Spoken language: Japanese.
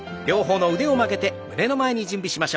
両方の腕を曲げて胸の前に。